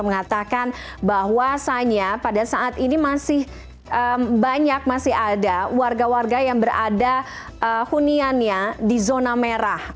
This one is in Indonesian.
mengatakan bahwasannya pada saat ini masih banyak masih ada warga warga yang berada huniannya di zona merah